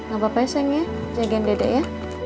gapapa ya sayang ya jagain deda ya